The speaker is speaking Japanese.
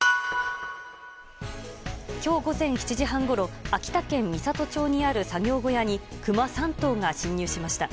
今日午前７時半ごろ秋田県美郷町にある作業小屋にクマ３頭が侵入しました。